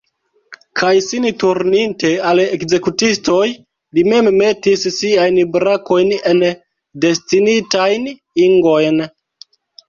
Kaj sin turninte al ekzekutistoj, li mem metis siajn brakojn en destinitajn ingojn.